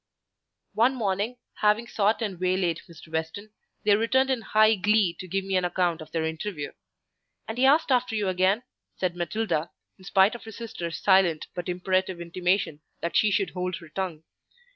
One morning, having sought and waylaid Mr. Weston, they returned in high glee to give me an account of their interview. "And he asked after you again," said Matilda, in spite of her sister's silent but imperative intimation that she should hold her tongue.